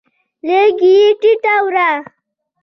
لږ یې ټیټه وړه